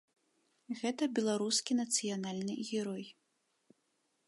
Гэта беларускі нацыянальны герой.